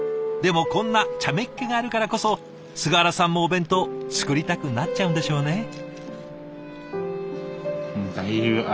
でもこんなちゃめっ気があるからこそ菅原さんもお弁当作りたくなっちゃうんでしょうね。